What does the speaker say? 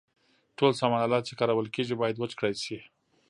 ټول سامان آلات چې کارول کیږي باید وچ کړای شي.